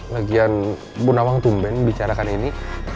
lagian bunawang tumben membicarakan ini